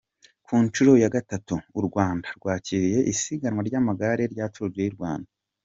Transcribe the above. Ku nshuro ya gatatu u Rwanda rwakiriye isiganwa ry’amagare rya Tour du Rwanda.